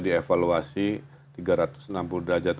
dievaluasi tiga ratus enam puluh derajat